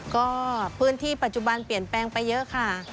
ก็พื้นที่ปัจจุบันเปลี่ยนแปลงไปเยอะค่ะ